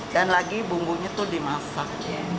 dan lagi bumbunya tuh dimasak